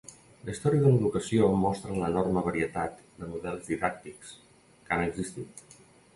La història de l'educació mostra l'enorme varietat de models didàctics que han existit.